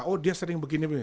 oh dia sering begini begini